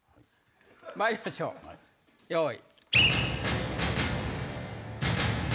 まいりましょうよい。